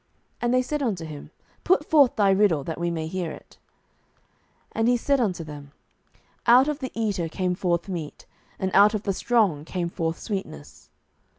And they said unto him, Put forth thy riddle, that we may hear it. 07:014:014 And he said unto them, Out of the eater came forth meat, and out of the strong came forth sweetness.